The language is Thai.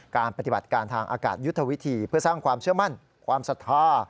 การปฏิบัติการทางอากาศยุทธวิธีเพื่อสร้างความเชื่อมั่นความศรัทธา